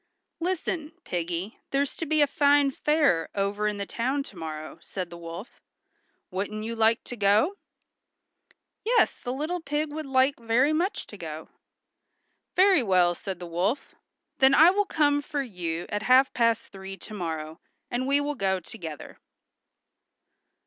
"Listen, Piggy, there's to be a fine fair over in the town to morrow," said the wolf. "Wouldn't you like to go?" Yes, the little pig would like very much to go. "Very well," said the wolf. "Then I will come for you at half past three to morrow, and we will go together."